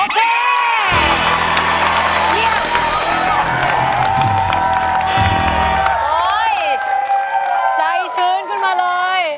โอ้ยใจชื้นขึ้นมาเลย